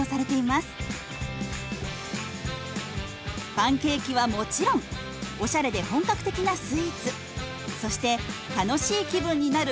パンケーキはもちろんおしゃれで本格的なスイーツそして楽しい気分になる